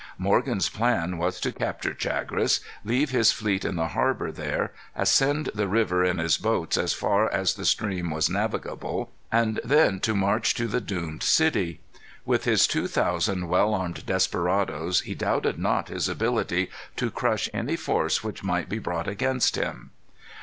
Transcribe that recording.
Morgan's plan was to capture Chagres; leave his fleet in the harbor there; ascend the river in his boats as far as the stream was navigable, and then to march to the doomed city. With his two thousand well armed desperadoes he doubted not his ability to crush any force which might be brought against him.